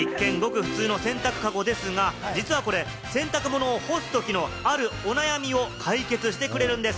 一見ごく普通の洗濯カゴですが、実はこれ、洗濯物を干すときの、あるお悩みを解決してくれるんです。